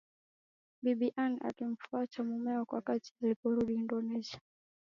Bibi Ann alimfuata mumewe wakati aliporudi Indonesia